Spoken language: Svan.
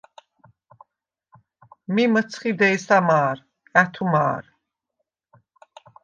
მი მჷცხი დე̄სა მა̄რ, ა̈თუ მა̄რ.